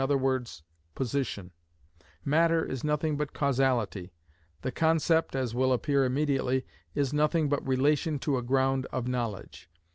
_, position; matter is nothing but causality; the concept (as will appear immediately) is nothing but relation to a ground of knowledge.